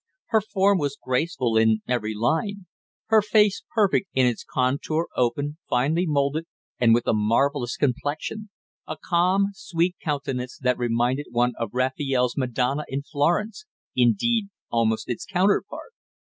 Her form was graceful in every line; her face perfect in its contour, open, finely moulded, and with a marvellous complexion a calm, sweet countenance that reminded one of Raphael's "Madonna" in Florence, indeed almost its counterpart.